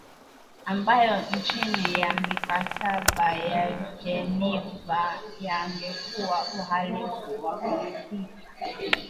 ambayo chini ya mikataba ya Jeniva yangekuwa uhalifu wa kivita